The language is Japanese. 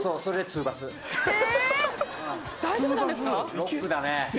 ロックだねえ。